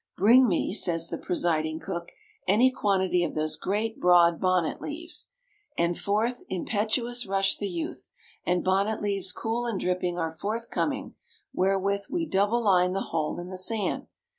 "Bring me," says the presiding cook, "any quantity of those great broad bonnet leaves." And forth impetuous rush the youth; and bonnet leaves cool and dripping are forthcoming, wherewith we double line the hole in the sand.